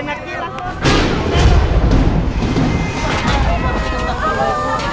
gak boleh lagi banyak gila